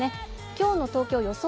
今日の東京、予想